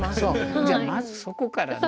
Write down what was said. じゃまずそこからね。